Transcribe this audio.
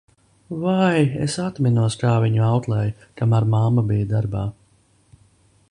Vai es atminos, kā viņu auklēju, kamēr mamma bija darbā.